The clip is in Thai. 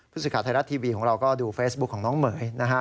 พฤศิษฐาไทยรัตน์ทีวีของเราก็ดูเฟสบุ๊คของน้องเหม๋ยนะฮะ